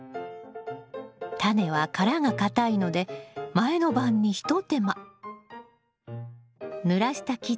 タネは殻が硬いので前の晩に一手間。